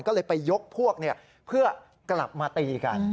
ก็เลยไปยกพวกเพื่อกลับมาตีกัน